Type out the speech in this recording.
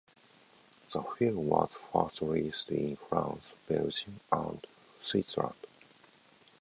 The film was first released in France, Belgium, and Switzerland.